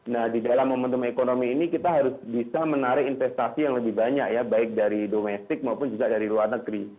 nah di dalam momentum ekonomi ini kita harus bisa menarik investasi yang lebih banyak ya baik dari domestik maupun juga dari luar negeri